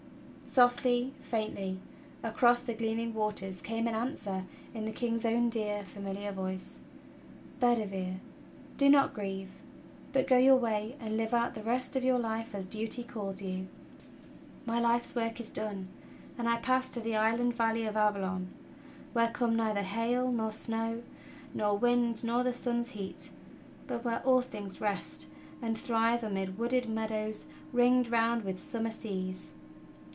Softl}^ faintly, across the gleaming waters came an answer in the King's own dear, familiar voice: "Bedivere, do not grieve, but go j^our way and live out the rest of your life as duty calls you. My life's work is done, and I pass to the island valley of Avalon, where come neither hail, nor snow, nor wind nor the sun's heat, but where all things rest and thrive amid wooded meadows ringed round with summer seas.